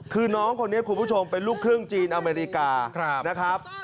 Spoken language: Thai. คือน้องคนนี้คุณผู้ชมเป็นลูกครึ่งจีนอเมริกานะครับ